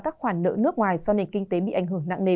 các khoản nợ nước ngoài do nền kinh tế bị ảnh hưởng nặng nề